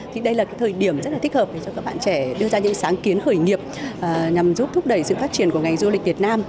thì đây là thời điểm rất là thích hợp để cho các bạn trẻ đưa ra những sáng kiến khởi nghiệp nhằm giúp thúc đẩy sự phát triển của ngành du lịch việt nam